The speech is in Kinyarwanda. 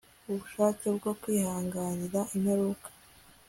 ubushake bwo kwihanganira imperuka